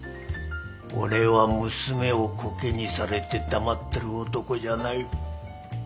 俺は娘をこけにされて黙ってる男じゃない